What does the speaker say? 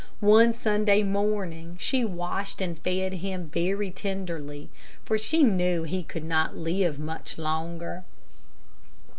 One Sunday morning she washed and fed him very tenderly, for she knew he could not live much longer.